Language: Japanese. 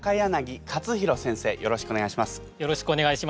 よろしくお願いします。